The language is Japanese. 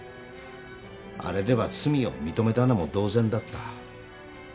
あれでは罪を認めたのも同然だった。